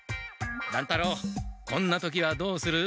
乱太郎こんな時はどうする？